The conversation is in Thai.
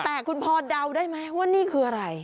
แต่คุณพอเดาได้ไหมว่านี่คืออะไร